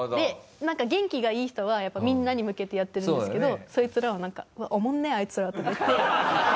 なんか元気がいい人はやっぱりみんなに向けてやってるんですけどそいつらをなんか「おもんねあいつら」とか言って。